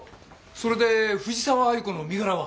それで藤沢亜由子の身柄は？